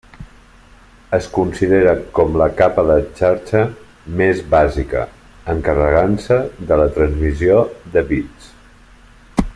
Es considera com la capa de xarxa més bàsica, encarregant-se de la transmissió de bits.